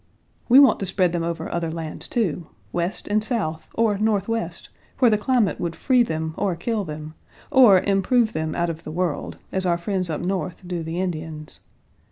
We want to spread them over other lands, too West and South, or Northwest, where the climate would free them or kill them, or improve them out Page 130 of the world, as our friends up North do the Indians.